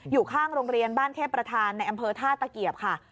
อยู่ข้างโรงเรียนบ้านเทพประธานในอำเภอท่าตะเกียบค่ะ